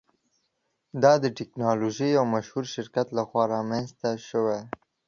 دا د ټیکنالوژۍ یو مشهور شرکت لخوا رامینځته شوی.